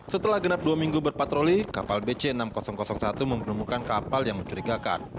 setelah genap dua minggu berpatroli kapal bc enam ribu satu mempertemukan kapal yang mencurigakan